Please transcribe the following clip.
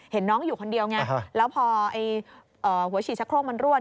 เห็นน้องอยู่คนเดียวไงแล้วพอหัวฉีดชะโครกมันรวด